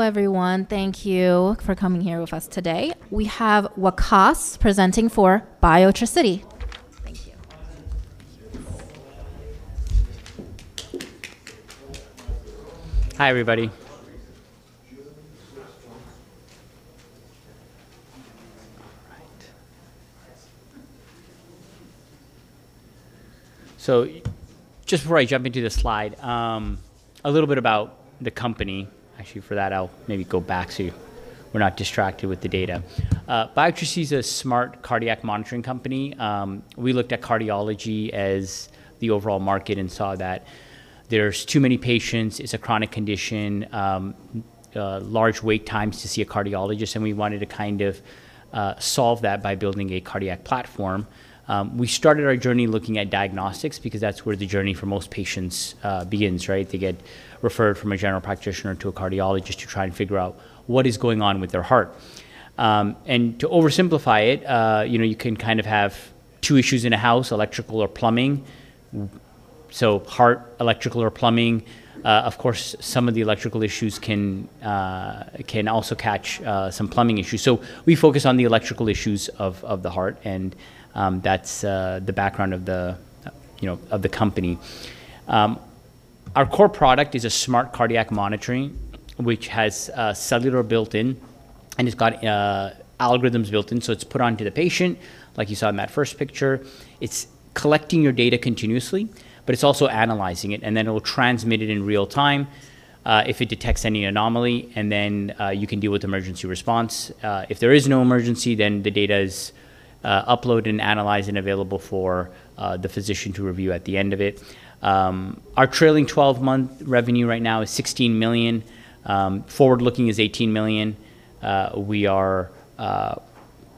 Hello, everyone. Thank you for coming here with us today. We have Waqaas Al-Siddiq presenting for Biotricity. Thank you. Hi, everybody. All right. Just before I jump into this slide, a little bit about the company. Actually, for that, I'll maybe go back so we're not distracted with the data. Biotricity's a smart cardiac monitoring company. We looked at cardiology as the overall market and saw that there's too many patients, it's a chronic condition, large wait times to see a cardiologist, and we wanted to kind of solve that by building a cardiac platform. We started our journey looking at diagnostics because that's where the journey for most patients begins, right? They get referred from a general practitioner to a cardiologist to try and figure out what is going on with their heart. To oversimplify it, you know, you can kind of have two issues in a house, electrical or plumbing. Heart, electrical or plumbing. Of course, some of the electrical issues can also catch some plumbing issues. We focus on the electrical issues of the heart and that's the background of the, you know, of the company. Our core product is a smart cardiac monitoring which has cellular built in, and it's got algorithms built in. It's put onto the patient like you saw in that first picture. It's collecting your data continuously, but it's also analyzing it, and then it will transmit it in real time if it detects any anomaly, and then you can deal with emergency response. If there is no emergency, then the data is uploaded and analyzed and available for the physician to review at the end of it. Our trailing 12-month revenue right now is $16 million. Forward-looking is $18 million. We are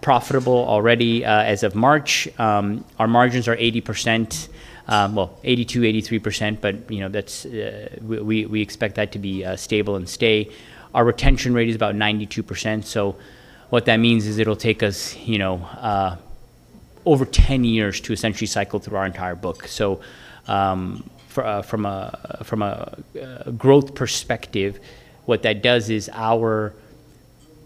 profitable already as of March. Our margins are 80%, well, 82%-83%, but, you know, that's we expect that to be stable and stay. Our retention rate is about 92%, what that means is it'll take us, you know, over 10-years to essentially cycle through our entire book. From a growth perspective, what that does is our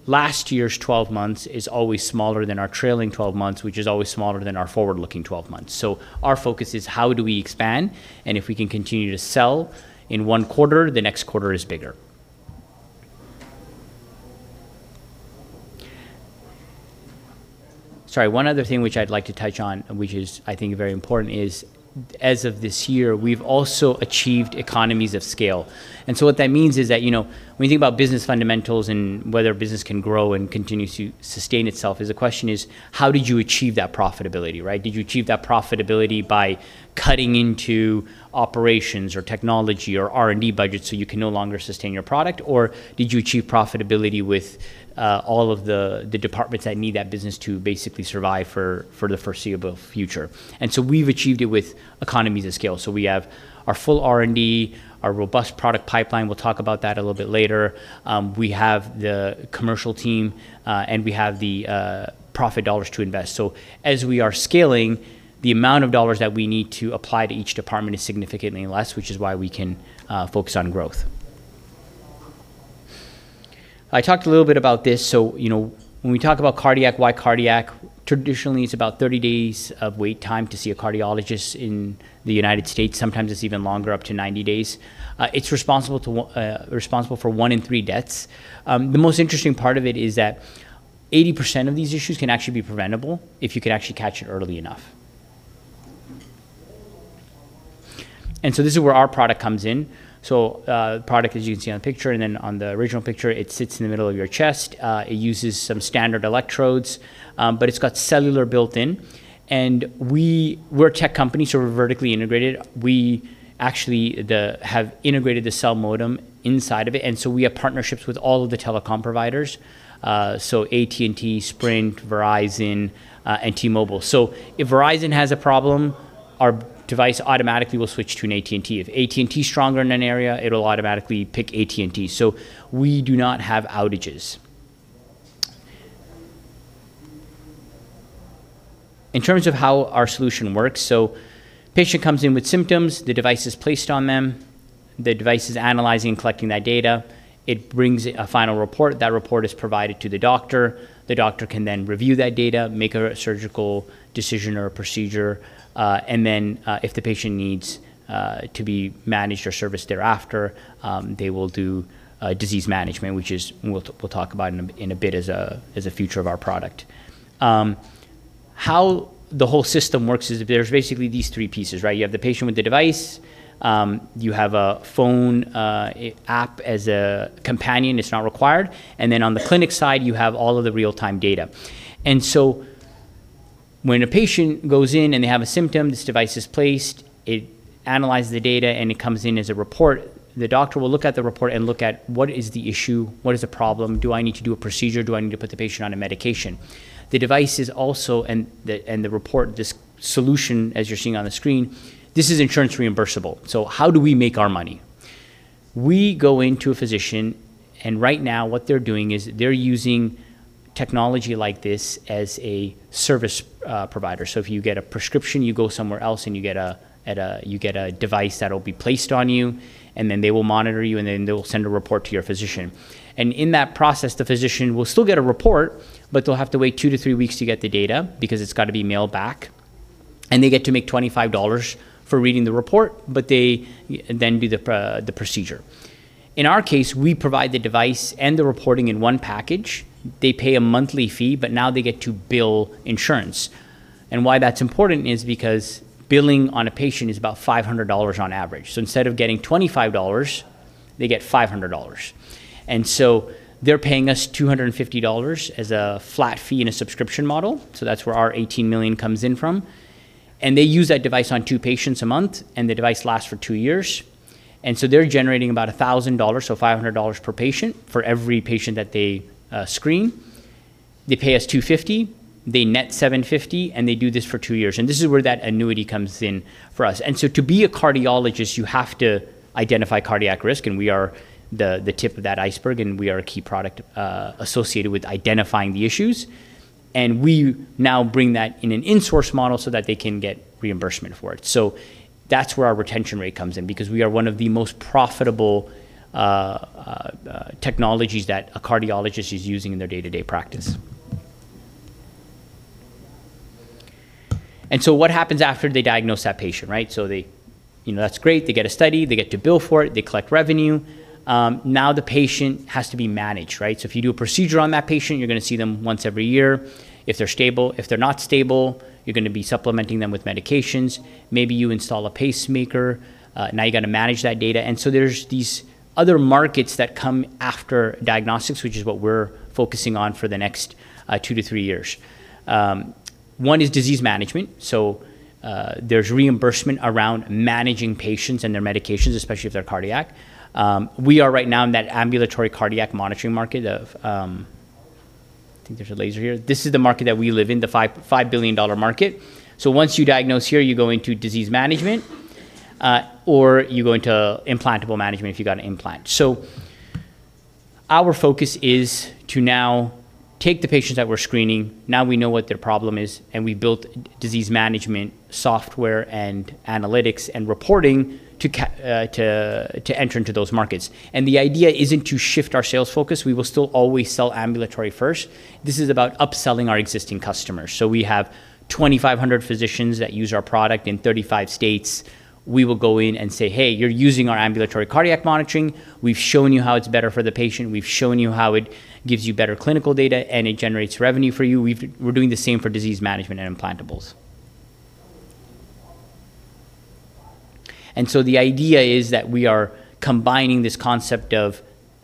last year's 12-months is always smaller than our trailing 12-months, which is always smaller than our forward-looking 12-months. Our focus is how do we expand, and if we can continue to sell in one quarter, the next quarter is bigger. Sorry, one other thing which I'd like to touch on, which is I think very important, is as of this year, we've also achieved economies of scale. What that means is that, you know, when you think about business fundamentals and whether a business can grow and continue to sustain itself, is the question is: How did you achieve that profitability, right? Did you achieve that profitability by cutting into operations or technology or R&D budgets so you can no longer sustain your product, or did you achieve profitability with all of the departments that need that business to basically survive for the foreseeable future? We've achieved it with economies of scale. We have our full R&D, our robust product pipeline. We'll talk about that a little bit later. We have the commercial team, and we have the profit dollars to invest. As we are scaling, the amount of dollars that we need to apply to each department is significantly less, which is why we can focus on growth. I talked a little bit about this. You know, when we talk about cardiac, why cardiac? Traditionally, it's about 30 days of wait time to see a cardiologist in the U.S. Sometimes it's even longer, up to 90 days. It's responsible for one in three deaths. The most interesting part of it is that 80% of these issues can actually be preventable if you could actually catch it early enough. This is where our product comes in. The product, as you can see on the picture and then on the original picture, it sits in the middle of your chest. It uses some standard electrodes, but it's got cellular built in. We're a tech company, so we're vertically integrated. We actually have integrated the cellular modem inside of it, and so we have partnerships with all of the telecom providers, so AT&T, Sprint, Verizon, and T-Mobile. If Verizon has a problem, our device automatically will switch to AT&T. If AT&T's stronger in an area, it'll automatically pick AT&T. We do not have outages. In terms of how our solution works, patient comes in with symptoms. The device is placed on them, the device is analyzing and collecting that data. It brings a final report. That report is provided to the doctor. The doctor can then review that data, make a surgical decision or a procedure, and then, if the patient needs to be managed or serviced thereafter, they will do disease management, which we'll talk about in a bit as a future of our product. How the whole system works is there's basically these three pieces, right? You have the patient with the device. You have a phone app as a companion. It's not required. Then on the clinic side, you have all of the real-time data. When a patient goes in and they have a symptom, this device is placed, it analyzes the data, and it comes in as a report. The doctor will look at the report and look at what is the issue, what is the problem? Do I need to do a procedure? Do I need to put the patient on a medication? The device is also, and the report, this solution, as you're seeing on the screen, this is insurance reimbursable. How do we make our money? We go into a physician, and right now what they're doing is they're using technology like this as a service provider. If you get a prescription, you go somewhere else and you get a device that'll be placed on you, and then they will monitor you, and then they will send a report to your physician. In that process, the physician will still get a report, but they'll have to wait two to three weeks to get the data because it's gotta be mailed back, and they get to make $25 for reading the report, but they then do the procedure. In our case, we provide the device and the reporting in one package. They pay a monthly fee, but now they get to bill insurance. Why that's important is because billing on a patient is about $500 on average. Instead of getting $25, they get $500. They're paying us $250 as a flat fee in a subscription model, so that's where our $18 million comes in from. They use that device on two patients a month, and the device lasts for two-years. They're generating about $1,000, so $500 per patient for every patient that they screen. They pay us $250, they net $750, and they do this for two-years. This is where that annuity comes in for us. To be a cardiologist, you have to identify cardiac risk, and we are the tip of that iceberg, and we are a key product associated with identifying the issues. We now bring that in an insource model so that they can get reimbursement for it. That's where our retention rate comes in because we are one of the most profitable technologies that a cardiologist is using in their day-to-day practice. What happens after they diagnose that patient. They, you know, that's great. They get a study. They get to bill for it. They collect revenue. Now the patient has to be managed, right? If you do a procedure on that patient, you're gonna see them once every year if they're stable. If they're not stable, you're gonna be supplementing them with medications. Maybe you install a pacemaker. Now you gotta manage that data. There's these other markets that come after diagnostics, which is what we're focusing on for the next two to three years. One is disease management. There's reimbursement around managing patients and their medications, especially if they're cardiac. We are right now in that ambulatory cardiac monitoring market of I think there's a laser here. This is the market that we live in, the $5.5 billion market. Once you diagnose here, you go into disease management, or you go into implantable management if you got an implant. Our focus is to now take the patients that we're screening, now we know what their problem is, and we built disease management software and analytics and reporting to enter into those markets. The idea isn't to shift our sales focus. We will still always sell ambulatory first. This is about upselling our existing customers. We have 2,500 physicians that use our product in 35 states. We will go in and say, "Hey, you're using our ambulatory cardiac monitoring. We've shown you how it's better for the patient. We've shown you how it gives you better clinical data, and it generates revenue for you." We're doing the same for disease management and implantables. The idea is that we are combining this concept of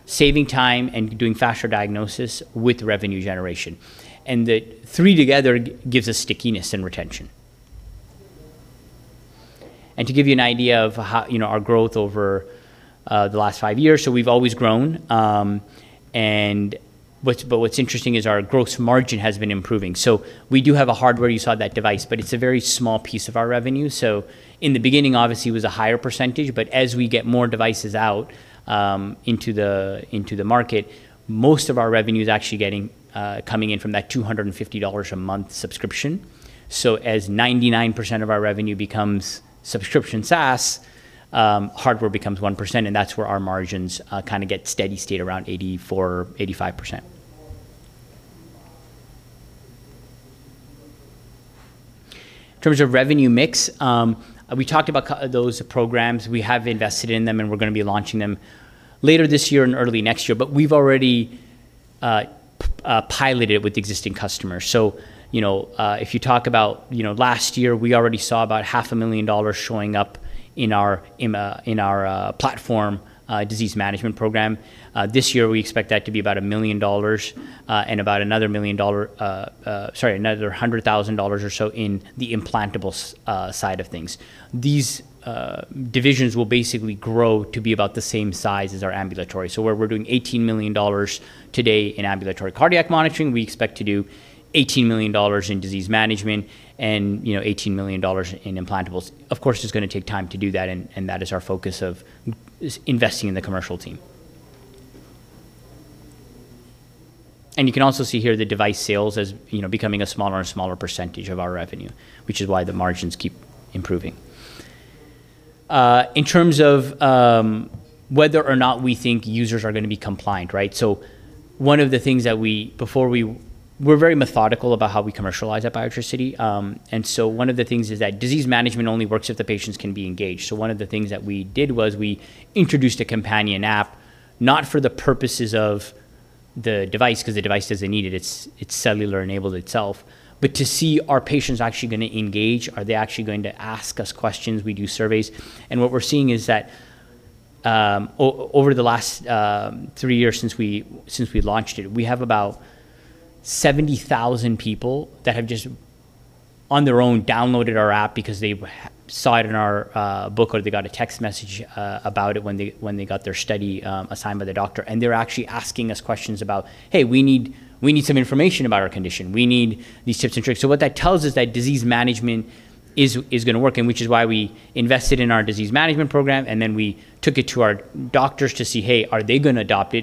saving time and doing faster diagnosis with revenue generation, and the three together gives us stickiness and retention. To give you an idea of how, you know, our growth over the last five years, we've always grown, but what's interesting is our gross margin has been improving. We do have a hardware, you saw that device, but it's a very small piece of our revenue. In the beginning, obviously, it was a higher percentage, but as we get more devices out into the market, most of our revenue's actually getting coming in from that $250 a month subscription. As 99% of our revenue becomes subscription SaaS, hardware becomes 1%, and that's where our margins kinda get steady state around 84%-85%. In terms of revenue mix, we talked about those programs. We have invested in them, and we're gonna be launching them later this year and early next year, but we've already piloted with existing customers. You know, if you talk about, you know, last year, we already saw about half a million dollars showing up in our platform Disease Management Program. This year, we expect that to be about $1 million, and about another $100,000 or so in the implantable side of things. These divisions will basically grow to be about the same size as our ambulatory. Where we're doing $18 million today in ambulatory cardiac monitoring, we expect to do $18 million in disease management and, you know, $18 million in implantables. Of course, it's gonna take time to do that, and that is our focus of investing in the commercial team. You can also see here the device sales as, you know, becoming a smaller and smaller percentage of our revenue, which is why the margins keep improving. In terms of whether or not we think users are gonna be compliant, right? We're very methodical about how we commercialize at Biotricity, one of the things is that disease management only works if the patients can be engaged. One of the things that we did was we introduced a companion app, not for the purposes of the device, because the device doesn't need it's cellular enabled itself, but to see are patients actually going to engage? Are they actually going to ask us questions? We do surveys. What we're seeing is that, over the last three years since we, since we launched it, we have about 70,000 people that have just on their own downloaded our app because they've saw it in our book or they got a text message about it when they, when they got their study assigned by the doctor. They're actually asking us questions about, "Hey, we need some information about our condition. We need these tips and tricks." What that tells us that disease management is gonna work, and which is why we invested in our disease management program, and then we took it to our doctors to see, hey, are they gonna adopt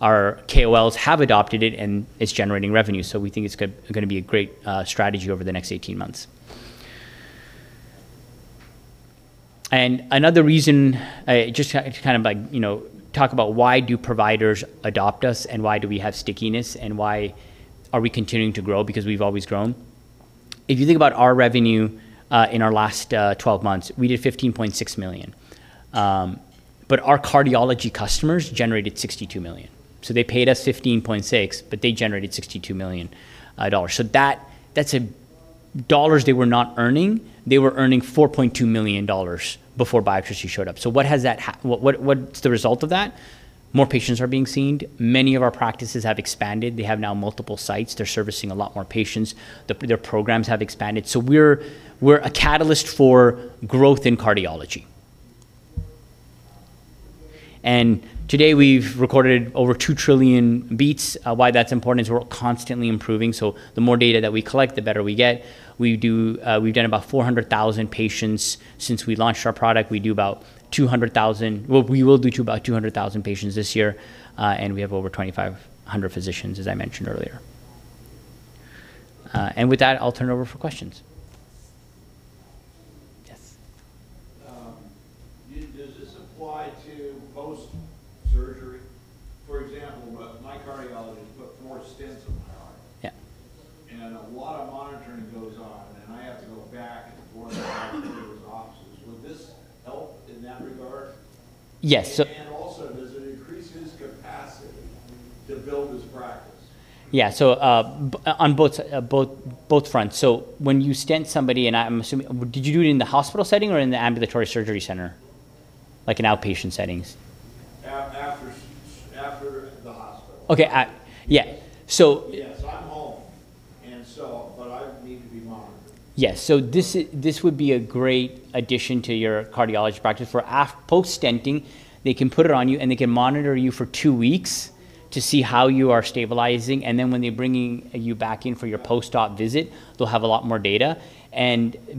it? Our KOLs have adopted it, and it's generating revenue, we think it's gonna be a great strategy over the next 18 months. Another reason, like, you know, talk about why do providers adopt us and why do we have stickiness and why are we continuing to grow, because we've always grown. If you think about our revenue, in our last 12 months, we did $15.6 million. Our cardiology customers generated $62 million. They paid us $15.6, they generated $62 million. That's dollars they were not earning, they were earning $4.2 million before Biotricity showed up. What's the result of that? More patients are being seen. Many of our practices have expanded. They have now multiple sites. They're servicing a lot more patients. Their programs have expanded. We're, we're a catalyst for growth in cardiology. Today we've recorded over 2 trillion beats. Why that's important is we're constantly improving, the more data that we collect, the better we get. We do, we've done about 400,000 patients since we launched our product. We will do about 200,000 patients this year. We have over 2,500 physicians, as I mentioned earlier. With that, I'll turn it over for questions. Yes. Does this apply to post-surgery? For example, my cardiologist put more stents in my heart. Yeah. A lot of monitoring goes on, and I have to go back and forth to his office. Would this help in that regard? Yes. Also, does it increase his capacity to build his practice? Yeah. on both fronts. When you stent somebody, and I'm assuming, did you do it in the hospital setting or in the ambulatory surgery center, like in outpatient settings? After the hospital. Okay. At, yeah. Yes, I'm home, and so, but I need to be monitored. This would be a great addition to your cardiology practice. For post stenting, they can put it on you, and they can monitor you for two weeks to see how you are stabilizing. When they're bringing you back in for your post-op visit, they'll have a lot more data.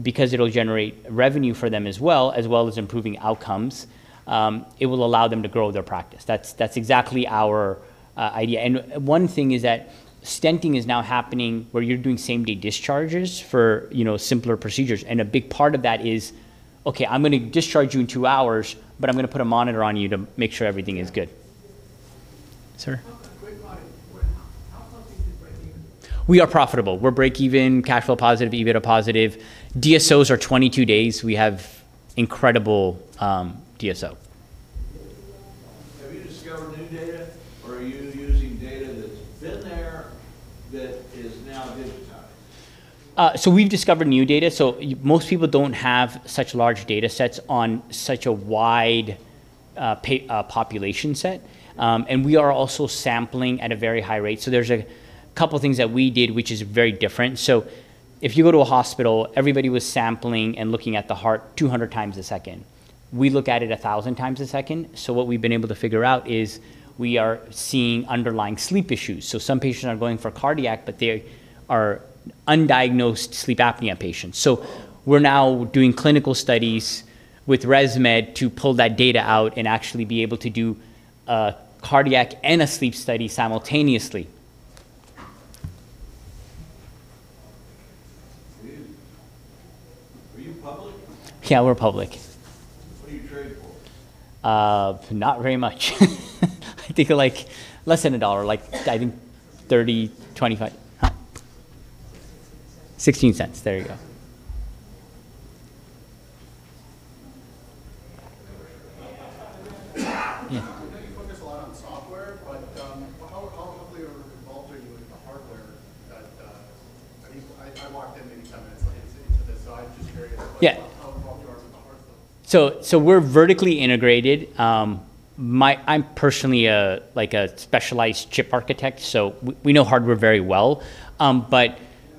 Because it'll generate revenue for them as well, as well as improving outcomes, it will allow them to grow their practice. That's exactly our idea. One thing is that stenting is now happening where you're doing same-day discharges for, you know, simpler procedures, and a big part of that is, "Okay, I'm gonna discharge you in two hours, but I'm gonna put a monitor on you to make sure everything is good." Sir? Great product. How soon till break even? We are profitable. We're break even, cash flow positive, EBITDA positive. DSO are 22 days. We have incredible DSO. Have you discovered new data, or are you using data that's been there that is now digitized? We've discovered new data. Most people don't have such large datasets on such a wide population set. We are also sampling at a very high rate. There's a couple things that we did which is very different. If you go to a hospital, everybody was sampling and looking at the heart 200x a second. We look at it 1,000x a second. What we've been able to figure out is we are seeing underlying sleep issues. Some patients are going for cardiac, but they are undiagnosed sleep apnea patients. We're now doing clinical studies with ResMed to pull that data out and actually be able to do a cardiac and a sleep study simultaneously. Are you public? Yeah, we're public. What do you trade for? Not very much. I think, like, less than $1. Like, I think $0.30, $0.25. Huh? $0.16. There you go. Yeah. I know you focus a lot on software, but, how heavily or involved are you with the hardware that, I mean, I walked in maybe 10 minutes late to this, so I'm just curious? Yeah Like how involved you are with the hardware stuff. We're vertically integrated. I'm personally a specialized chip architect, we know hardware very well.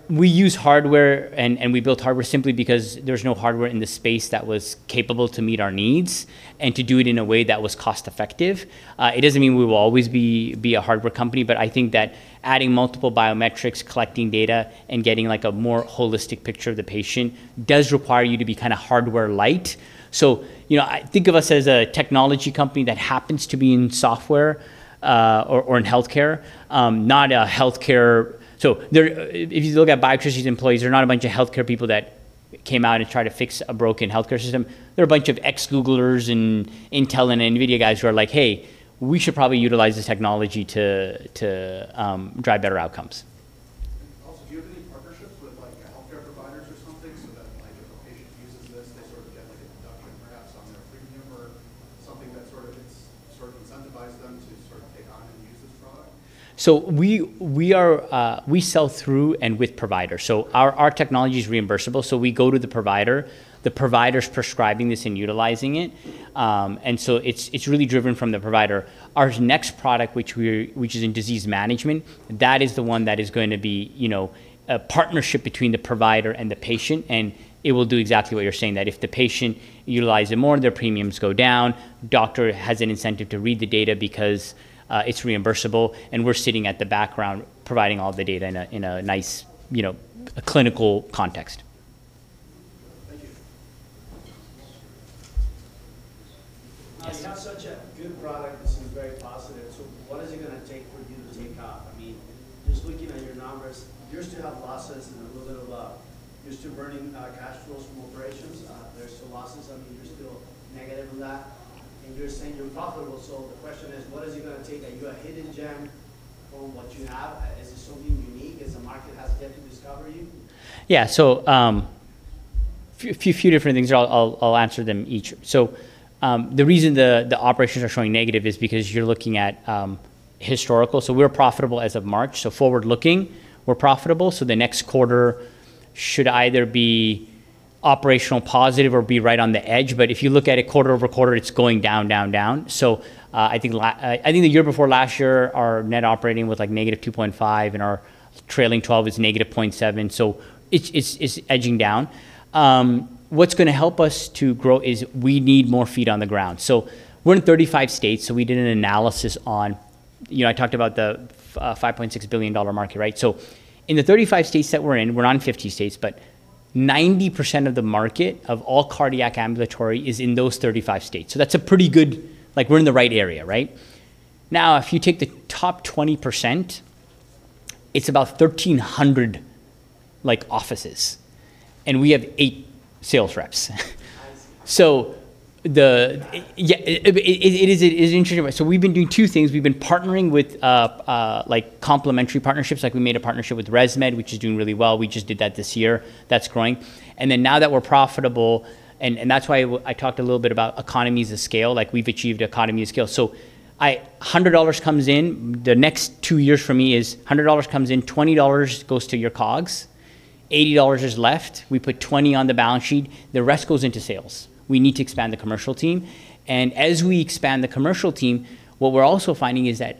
We use hardware and we built hardware simply because there's no hardware in this space that was capable to meet our needs and to do it in a way that was cost effective. It doesn't mean we will always be a hardware company, I think that adding multiple biometrics, collecting data, and getting a more holistic picture of the patient does require you to be kinda hardware light. You know, think of us as a technology company that happens to be in software or in healthcare. If you look at Biotricity's employees, they're not a bunch of healthcare people that came out and tried to fix a broken healthcare system. They're a bunch of ex-Googlers and Intel and NVIDIA guys who are like, "Hey, we should probably utilize this technology to drive better outcomes. Do you have any partnerships with, like, healthcare providers or something so that, like, if a patient uses this, they sort of get, like, a deduction perhaps on their premium or something that sort of gets, sort of incentivizes them to sort of take on and use this product? We sell through and with providers. Our technology is reimbursable, we go to the provider. The provider's prescribing this and utilizing it. It's really driven from the provider. Our next product, which is in disease management, that is the one that is going to be, you know, a partnership between the provider and the patient, and it will do exactly what you're saying, that if the patient utilize it more, their premiums go down. Doctor has an incentive to read the data because it's reimbursable, and we're sitting at the background providing all the data in a nice, you know, clinical context. Thank you. You have such a good product. This is very positive. What is it gonna take for you to take off? I mean, just looking at your numbers, you still have losses and a little, You're still burning cash flows from operations. There's still losses. I mean, you're still negative on that, and you're saying you're profitable. The question is, what is it gonna take? Are you a hidden gem for what you have? Is it something unique? Has the market yet to discover you? Yeah. Few different things. I'll answer them each. The reason the operations are showing negative is because you're looking at historical. We're profitable as of March. Forward-looking, we're profitable. The next quarter should either be operational positive or be right on the edge. If you look at it quarter-over-quarter, it's going down, down. I think the year before last year, our net operating was, like, -$2.5, and our trailing 12 is -$0.7. It's edging down. What's gonna help us to grow is we need more feet on the ground. We're in 35 states, we did an analysis on You know, I talked about the $5.6 billion market, right? In the 35 states that we're in, we're not in 50 states, but 90% of the market of all cardiac ambulatory is in those 35 states, so that's a pretty good. Like, we're in the right area, right? If you take the top 20%, it's about 1,300, like offices, and we have eight sales reps. That's So the- Yeah. It is interesting, right? We've been doing two things. We've been partnering with, like, complementary partnerships. Like, we made a partnership with ResMed, which is doing really well. We just did that this year. That's growing. Now that we're profitable, that's why I talked a little bit about economies of scale, like, we've achieved economy of scale. $100 comes in, the next two-years for me is $100 comes in, $20 goes to your COGS, $80 is left. We put $20 on the balance sheet. The rest goes into sales. We need to expand the commercial team. As we expand the commercial team, what we're also finding is that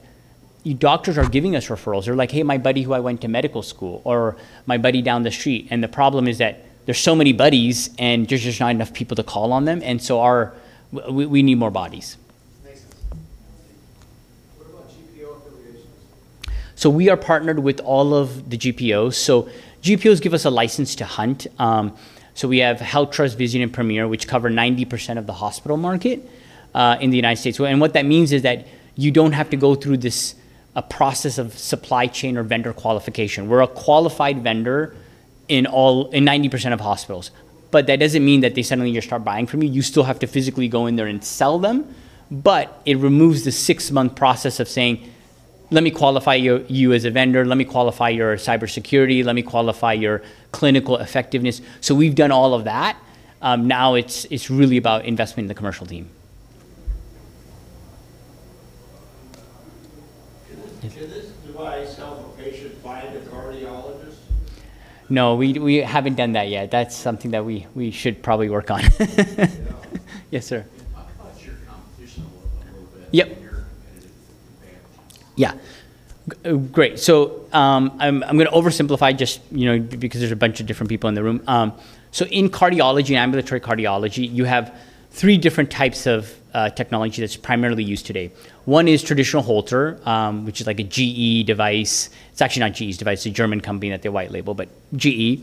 your doctors are giving us referrals. They're like, "Hey, my buddy who I went to medical school," or, "My buddy down the street." The problem is that there's so many buddies, and there's just not enough people to call on them. We need more bodies. Makes sense. Thank you. What about GPO affiliations? We are partnered with all of the GPO. We have HealthTrust, Vizient, and Premier, which cover 90% of the hospital market in the U.S. What that means is that you don't have to go through this, a process of supply chain or vendor qualification. We're a qualified vendor in all, in 90% of hospitals. That doesn't mean that they suddenly just start buying from you. You still have to physically go in there and sell them, but it removes the six-month process of saying, "Let me qualify you as a vendor. Let me qualify your cybersecurity. Let me qualify your clinical effectiveness." We've done all of that. Now it's really about investing in the commercial team. Can this device help a patient find a cardiologist? No. We haven't done that yet. That's something that we should probably work on. Yeah. Yes, sir. Can you talk about your competition a little, a little bit? Yep Your competitive advantage? Yeah. Great. I'm gonna oversimplify just, you know, because there's a bunch of different people in the room. In cardiology and ambulatory cardiology, you have three different types of technology that's primarily used today. One is traditional Holter, which is, like, a GE device. It's actually not GE's device. A German company that they white label, GE.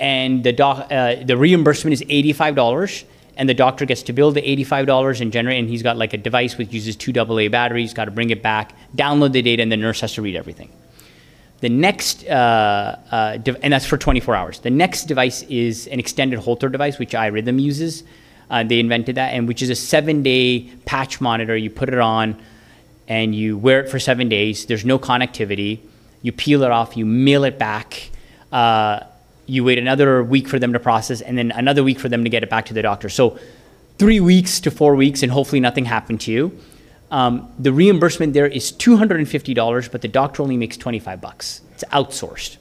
The reimbursement is $85, and the doctor gets to bill the $85 in general, and he's got, like, a device which uses two double A batteries. Got to bring it back, download the data, and the nurse has to read everything, and that's for 24 hours. The next device is an extended Holter device, which iRhythm uses, they invented that, and which is a seven-day patch monitor. You put it on, you wear it for seven days. There's no connectivity. You peel it off. You mail it back. You wait another week for them to process then another week for them to get it back to the doctor. Three weeks to four weeks, hopefully nothing happened to you. The reimbursement there is $250, the doctor only makes $25. It's outsourced.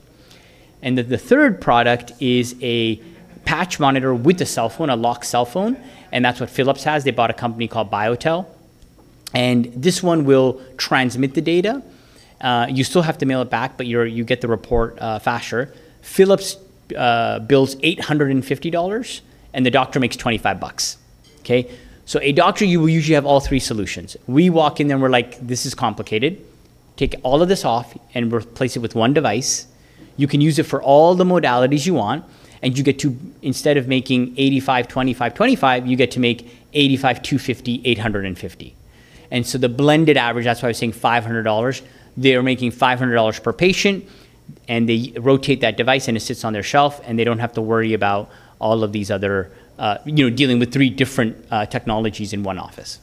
The third product is a patch monitor with a cell phone, a locked cell phone, and that's what Philips has. They bought a company called BioTel. This one will transmit the data. You still have to mail it back, you get the report faster. Philips bills $850, the doctor makes $25. Okay. A doctor, you usually have all three solutions. We walk in there, and we're like, "This is complicated. Take all of this off and replace it with one device. You can use it for all the modalities you want, and you get to, instead of making $85, $25, you get to make $85, $250, $850." The blended average, that's why I was saying $500. They are making $500 per patient, and they rotate that device, and it sits on their shelf, and they don't have to worry about all of these other, you know, dealing with three different technologies in one office.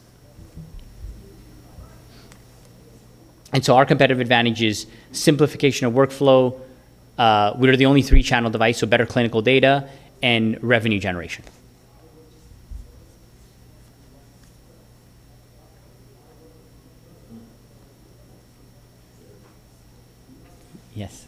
Our competitive advantage is simplification of workflow. We are the only three-channel device, so better clinical data, and revenue generation. Yes. Do you have to have a cardiac event before they use the monitor? Do you have to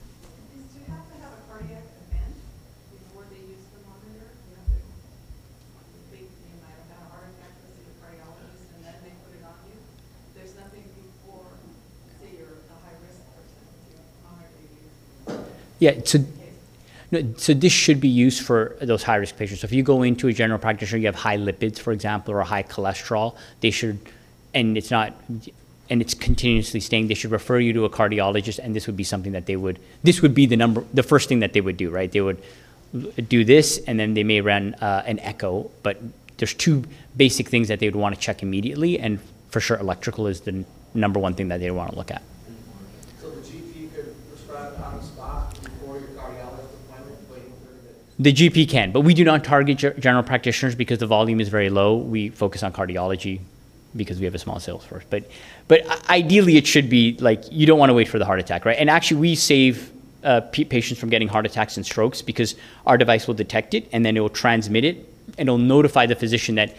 think, you know, I've had a heart attack, visit the cardiologist, and then they put it on you? There's nothing before that you're a high-risk person to monitor you? Yeah. In case This should be used for those high-risk patients. If you go into a general practitioner, you have high lipids, for example, or high cholesterol, it's continuously staying, they should refer you to a cardiologist, this would be something that they would This would be the number, the first thing that they would do, right? They would do this, they may run an echo. There's two basic things that they would wanna check immediately, and for sure, electrical is the number one thing that they would wanna look at. The GP could prescribe on the spot before your cardiologist appointment. The GP can, we do not target general practitioners because the volume is very low. We focus on cardiology because we have a small sales force. Ideally, it should be, like, you don't wanna wait for the heart attack, right? Actually, we save patients from getting heart attacks and strokes because our device will detect it, then it will transmit it, and it'll notify the physician that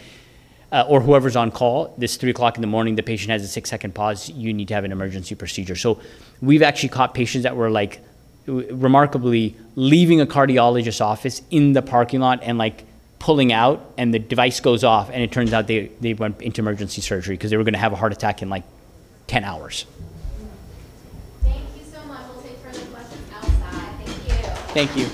or whoever's on call, "It's 3:00 A.M. The patient has a 6-second pause. You need to have an emergency procedure." We've actually caught patients that were, like, remarkably leaving a cardiologist office in the parking lot and, like, pulling out, and the device goes off, and it turns out they went into emergency surgery because they were gonna have a heart attack in, like, 10 hours. Thank you so much. We'll take further questions outside. Thank you. Thank you.